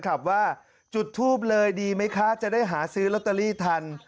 ขับว่าจุดทูบเลยดีไหมคะจะได้หาซื้อลอตเตอรี่ทัน